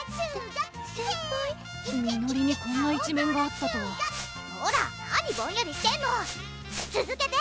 みのりにこんな一面があったとはほらなにぼんやりしてんのつづけて！